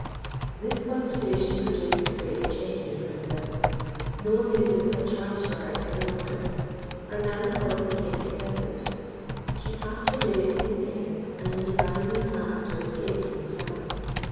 This conversation produced a great change in the Princess. No amusements had charms for her any longer. Her melancholy became excessive. She passed her days in weeping and in devising plans to escape from the tower.